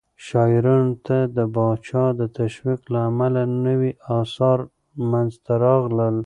شاعرانو ته د پاچا د تشويق له امله نوي آثار منځته راغلل.